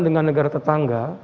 dengan negara tetangga